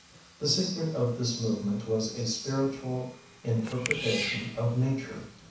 The secret of this movement was a spiritual interpretation of nature.